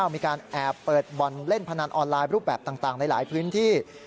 มีการแอบเปิดบ่อนเล่นพนันออนไลน์รูปแบบต่างในหลายพื้นที่